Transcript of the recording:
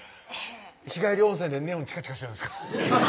日帰り温泉でネオンチカチカしてるんですか？